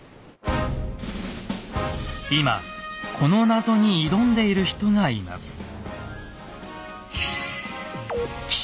今この謎に挑んでいる人がいます。